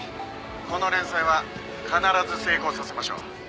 「この連載は必ず成功させましょう」